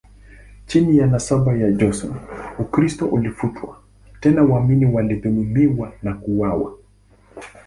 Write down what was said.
Chini ya nasaba ya Joseon, Ukristo ulifutwa, tena waamini walidhulumiwa na kuuawa.